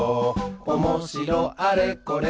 「おもしろあれこれ